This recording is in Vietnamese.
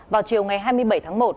vào chiều ngày hai mươi bảy tháng một